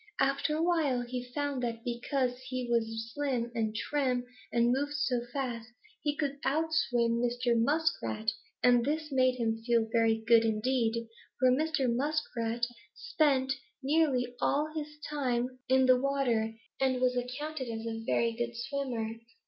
After a while he found that because he was slim and trim and moved so fast, he could out swim Mr. Muskrat, and this made him feel very good indeed, for Mr. Muskrat spent nearly all his time in the water and was accounted a very good swimmer.